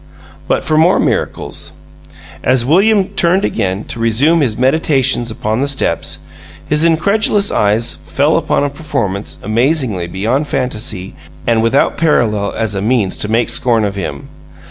But for more miracles: As William turned again to resume his meditations upon the steps, his incredulous eyes fell upon a performance amazingly beyond fantasy, and without parallel as a means to make scorn of him.